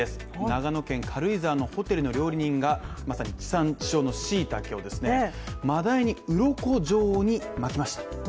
長野県軽井沢市のホテルの料理人がまさに地産地消のしいたけを、マダイにウロコ状況に巻きました。